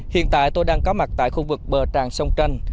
hiện tại tôi đang có mặt tại khu vực bờ tràng sông tranh